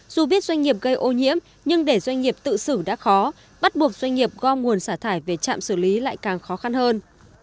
dù biết doanh nghiệp gây ô nhiễm nhưng để doanh nghiệp tự xử đã khó bắt buộc doanh nghiệp gom nguồn xả thải về trạm xử lý lại càng khó khăn hơn